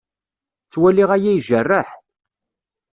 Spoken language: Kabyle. Ttwaliɣ aya ijerreḥ.